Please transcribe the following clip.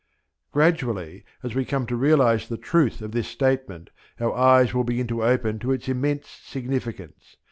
Gradually as we come to realize the truth of this statement, our eyes will begin to open to its immense significance.